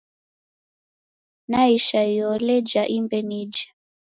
Naisha iyole ja imbe nije.